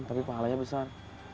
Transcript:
tapi pahalanya besar